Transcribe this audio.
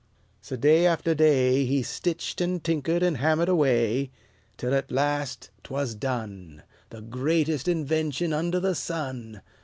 So day after day He stitched and tinkered and hammered away, Till at last 'twas done, The greatest invention under the sun!